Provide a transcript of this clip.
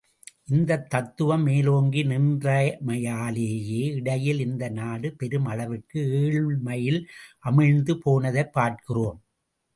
இந்தத் தத்துவம் மேலோங்கி நின்றமையாலேயே இடையிலே இந்த நாடு பெரும் அளவிற்கு ஏழைமையில் அமிழ்ந்து போனதைப் பார்க்கிறோம்.